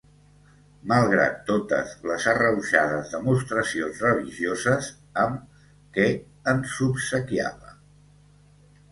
Malgrat totes les arrauxades demostracions religioses amb què ens obsequiava.